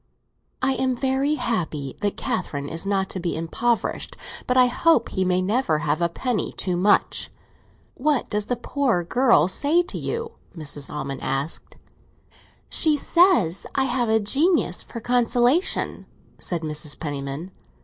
"I am very happy that Catherine is not to be impoverished—but I hope he may never have a penny too much! And what does the poor girl say to you?" Mrs. Almond asked. "She says I have a genius for consolation," said Mrs. Penniman.